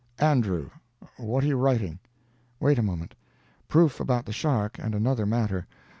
"Andrew. What are you writing?" "Wait a moment. Proof about the shark and another matter.